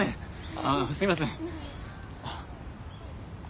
あすいません。